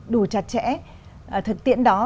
đủ chặt chẽ thực tiễn đó